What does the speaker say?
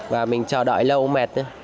và mình chờ đợi lâu mệt